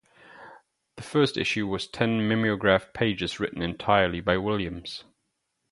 The first issue was ten mimeographed pages written entirely by Williams.